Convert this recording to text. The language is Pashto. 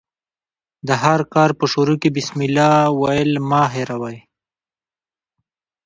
د هر کار په شروع کښي بسم الله ویل مه هېروئ!